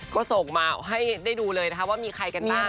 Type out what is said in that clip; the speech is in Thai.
ก็ส่งมาให้ได้ดูเลยนะคะว่ามีใครกันบ้าง